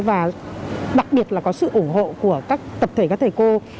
và đặc biệt là có sự ủng hộ của các tập thể các thầy cô